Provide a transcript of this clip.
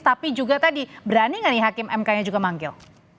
tapi juga tadi berani nggak nih hakim mk nya juga manggil